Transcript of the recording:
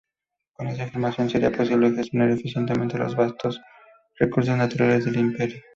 Con esa información, sería posible gestionar eficientemente los vastos recursos naturales del imperio.